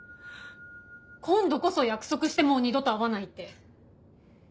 今度こそ約束してもう二度と会わないって。